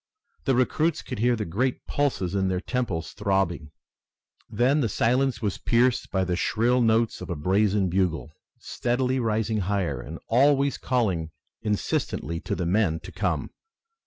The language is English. The recruits could hear the great pulses in their temples throbbing. Then the silence was pierced by the shrill notes of a brazen bugle, steadily rising higher and always calling insistently to the men to come.